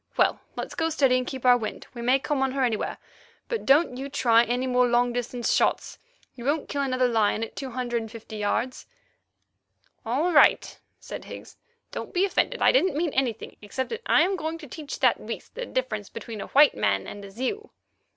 Well, let's go steady and keep our wind. We may come on her anywhere, but don't you try any more long distance shots. You won't kill another lion at two hundred and fifty yards." "All right," said Higgs, "don't be offended. I didn't mean anything, except that I am going to teach that beast the difference between a white man and a Zeu."